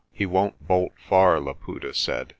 "He won't bolt far," Laputa said.